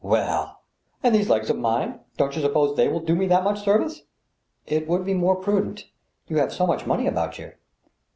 " Well ! And these legs of mine — don't you suppose they will do me that much service ?"" It would be more prudent. You have so much money about you."